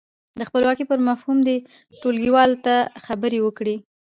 د خپلواکۍ پر مفهوم دې ټولګیوالو ته خبرې وکړي.